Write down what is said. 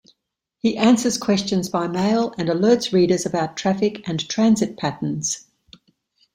He answers questions by mail and alerts readers about traffic and transit patterns.